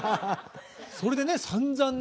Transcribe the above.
それでねさんざんね。